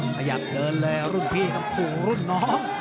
พยายามเดินเลยภูมิรุ่นน้อง